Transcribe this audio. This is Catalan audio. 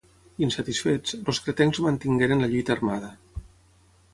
Insatisfets, els cretencs mantengueren la lluita armada.